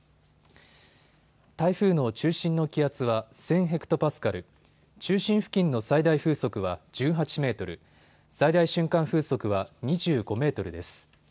台風の中心の気圧は１０００ｈＰａ、中心付近の最大風速は１８メートル、最大瞬間風速は２５メートルです。